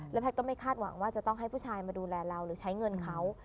แพทย์ก็ไม่คาดหวังว่าจะต้องให้ผู้ชายมาดูแลเราหรือใช้เงินเขา